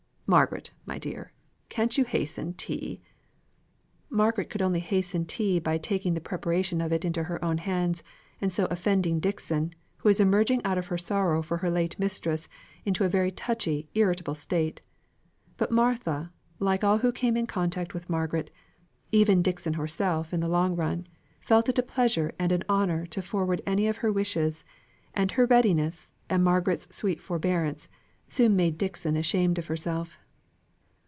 Margaret, my dear, can't you hasten tea?" Margaret could only hasten tea by taking the preparation of it into her own hands, and so offending Dixon, who was emerging out of her sorrow for her late mistress into a very touchy, irritable state. But Martha, like all who came in contact with Margaret even Dixon herself, in the long run felt it a pleasure and an honour to forward any of her wishes; and her readiness, and Margaret's sweet forbearance, soon made Dixon ashamed of herself.